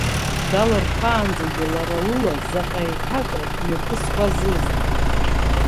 Далырхаанӡагьы лара лыла заҟа еиҭакра мҩаԥысуазыз.